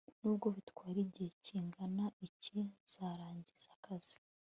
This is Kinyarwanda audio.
nubwo bitwara igihe kingana iki, nzarangiza akazi